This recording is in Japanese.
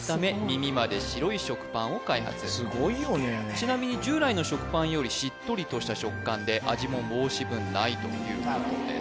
ちなみに従来の食パンよりしっとりとした食感で味も申し分ないということです